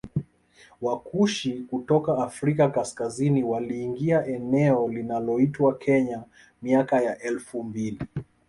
Wakushi kutoka Afrika kaskazini waliingia eneo linaloitwa Kenya miaka ya elfu mbili